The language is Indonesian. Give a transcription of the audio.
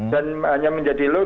dan hanya menjadi luhur